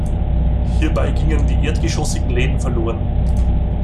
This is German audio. Hierbei gingen die erdgeschossigen Läden verloren.